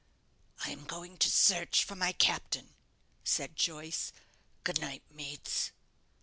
"I am going to search for my captain," said Joyce. "Good night, mates."